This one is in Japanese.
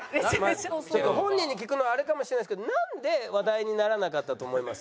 ちょっと本人に聞くのあれかもしれないですけどなんで話題にならなかったと思います？